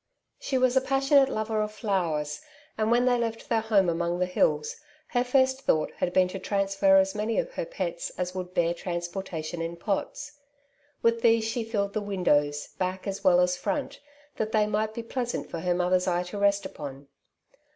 She was a passionate lover of flowers, and when they left their home among the hills, her first thought had been to transfer as many of her pets as woirld bear transportation in pots. With these she filled the windows, back as weU as front, that they might be pleasant for her mother^s eye to rest upon.